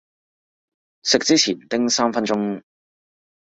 食之前叮三分鐘